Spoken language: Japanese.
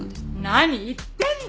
何言ってんだ！